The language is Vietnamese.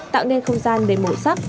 tạo nên không gian đầy màu sắc